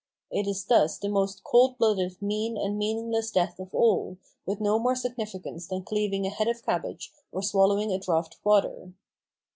It is thus the most cold blooded mean and meaningless death of all, with no more significance than cleaving a head of cabbage or swallowing a draught of water.